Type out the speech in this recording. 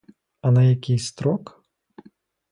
А на який строк?